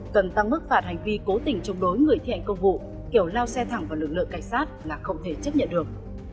cần tăng mức phạt hành vi cố tình chống đối người thi hành công vụ kiểu lao xe thẳng vào lực lượng cảnh sát là không thể chấp nhận được